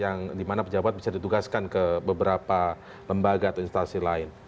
yang dimana pejabat bisa ditugaskan ke beberapa lembaga atau instansi lain